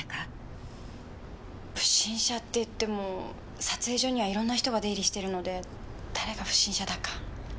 不審者っていっても撮影所にはいろんな人が出入りしているので誰が不審者だか。